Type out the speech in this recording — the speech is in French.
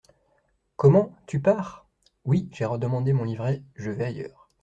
Comment, tu pars ? Oui, j'ai redemandé mon livret, je vais ailleurs.